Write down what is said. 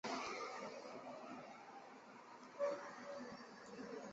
每个区都设有专门的居住区以及提供营养补给等基础服务的区域。